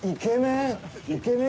イケメン！